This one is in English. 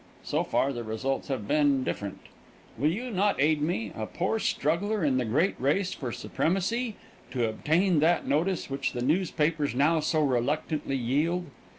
So far, the results have been different. Will you not aid me, a poor struggler in the great race for supremacy, to obtain that notice which the newspapers now so reluctantly yield?